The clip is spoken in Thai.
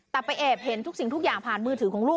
แต่ไปแอบเห็นทุกสิ่งทุกอย่างผ่านมือถือของลูก